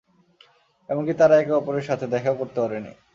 এমনকি তারা একে অপরের সাথে, দেখাও করতে পারেনি।